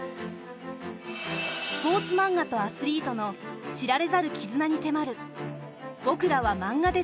スポーツマンガとアスリートの知られざる絆に迫る